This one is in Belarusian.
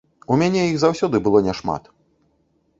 У мяне іх заўсёды было не шмат.